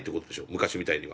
昔みたいには。